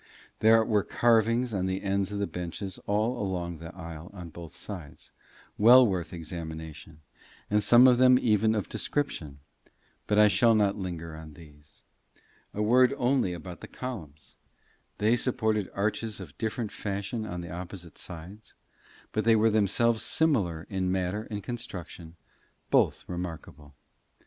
There were carvings on the ends of the benches all along the aisle on both sides, well worth examination, and some of them even of description; but I shall not linger on these. A word only about the columns: they supported arches of different fashion on the opposite sides, but they were themselves similar in matter and construction, both remarkable.